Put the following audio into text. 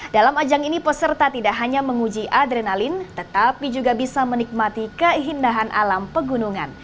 dalam ajang ini peserta tidak hanya menguji adrenalin tetapi juga bisa menikmati keindahan alam pegunungan